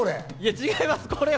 違います。